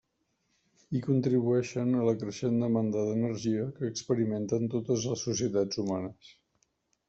Hi contribueix a la creixent demanda d'energia que experimenten totes les societats humanes.